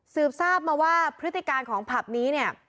สืบทราบมาว่าพฤติกรรมของผับนี้